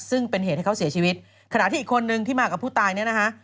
ซึ่งเป็นเหตุให้เขาเสียชีวิตขณะที่อีกคนนึงที่มากับผู้ตายเนี่ยนะคะ